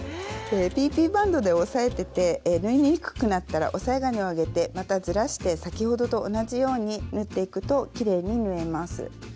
ＰＰバンドで押さえてて縫いにくくなったら押さえ金を上げてまたずらして先ほどと同じように縫っていくときれいに縫えます。